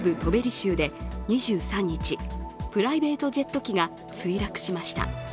州で２３日、プライベートジェット機が墜落しました。